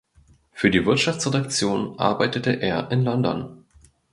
Für die Wirtschaftsredaktion arbeitete er in London.